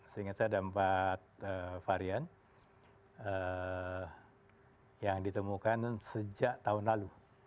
seingat saya ada empat varian yang ditemukan sejak tahun lalu